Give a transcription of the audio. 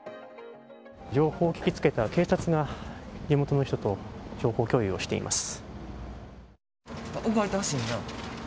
情報を聞きつけた警察が地元の人と情報共有をしています。